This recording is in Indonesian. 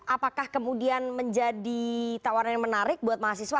apakah kemudian menjadi tawaran yang menarik buat mahasiswa